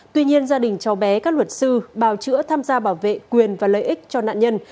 tuy nhiên gia đình cháu bé các luật sư bào chữa tham gia bảo vệ quyền và lợi ích cho nạn nhân